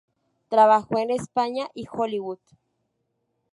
Trabajó en España y Hollywood.